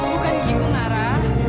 bukan gitu nara